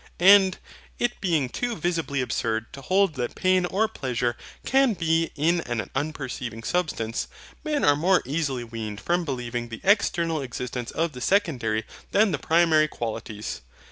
And, it being too visibly absurd to hold that pain or pleasure can be in an unperceiving substance, men are more easily weaned from believing the external existence of the Secondary than the Primary Qualities.